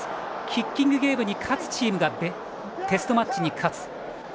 キッキングゲームに勝つチームがテストマッチに勝つ。